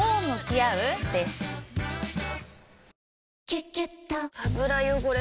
「キュキュット」油汚れ